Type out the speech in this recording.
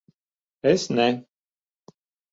Es ne...